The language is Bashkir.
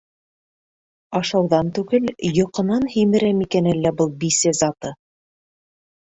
Ашауҙан түгел, йоҡонан һимерә микән әллә был бисә заты?